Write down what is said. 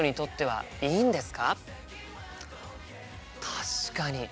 確かに。